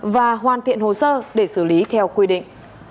và hoàn thiện hồ sơ để xử lý theo quy định